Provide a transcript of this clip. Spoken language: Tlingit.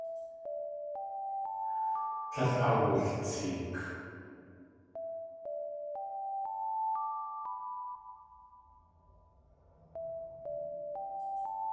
Tlél awultseek.